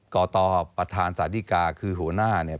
กตประธานสาธิกาคือหัวหน้าเนี่ย